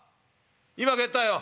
今帰ったよ」。